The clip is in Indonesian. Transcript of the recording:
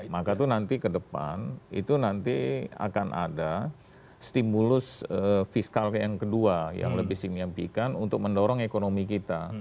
maka itu nanti ke depan itu nanti akan ada stimulus fiskal yang kedua yang lebih signifikan untuk mendorong ekonomi kita